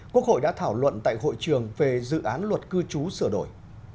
quốc hội đã thảo luận tại hội trường về dự án luật cư trú sửa đổi